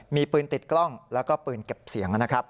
มีปืนติดกล้องแล้วก็ปืนเก็บเสียงนะครับ